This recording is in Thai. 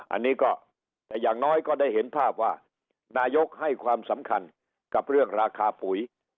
อันนี้ก็แต่อย่างน้อยก็ได้เห็นภาพว่านายกให้ความสำคัญกับเรื่องราคาปุ๋ย